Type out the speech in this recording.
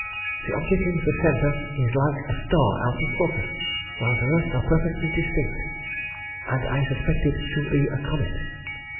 The object in the centre is like a star out of focus, while the rest are perfectly distinct, and I suspect it to be a comet.